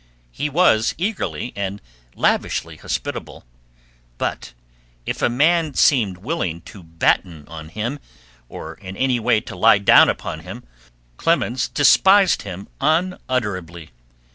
He was eagerly and lavishly hospitable, but if a man seemed willing to batten on him, or in any way to lie down upon him, Clemens despised him unutterably.